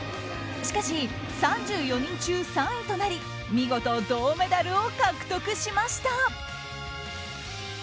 しかし、３４人中３位となり見事、銅メダルを獲得しました。